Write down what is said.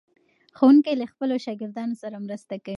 ښوونکی له خپلو شاګردانو سره مرسته کوي.